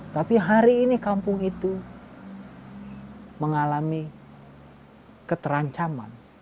tapi hari ini kampung itu mengalami keterancaman